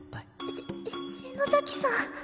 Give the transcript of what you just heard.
し篠崎さん。